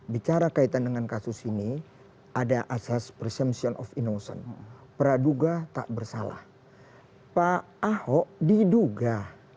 bicara kaitan dengan kasus ini ada asas presemption of innocent praduga tak bersalah pak ahok diduga